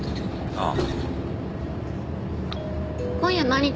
ああ。